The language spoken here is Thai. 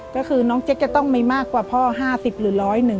ก็คือน้องเจ๊กจะต้องมีมากกว่าพ่อ๕๐หรือ๑๐๑